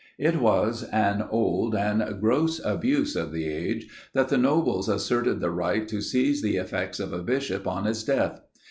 It was an old and gross abuse of the age, that the nobles asserted the right to seize the effects of a bishop on his death.